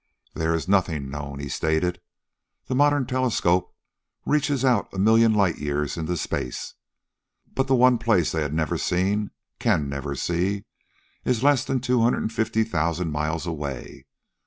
"There is nothing known," he stated. "The modern telescopes reach out a million light years into space. But the one place they have never seen can never see is less than two hundred and fifty thousand miles away.